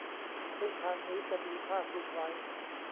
ซึ่งพานนี้จะมีผ้าคลุมไว้